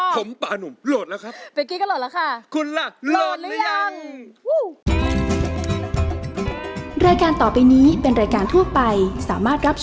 ผมป่านุ่มโหลดแล้วครับ